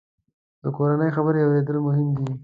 د کورنۍ خبرې اورېدل مهم دي.